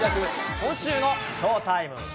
今週のショータイム。